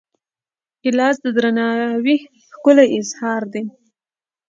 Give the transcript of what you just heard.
ګیلاس د درناوي ښکلی اظهار دی.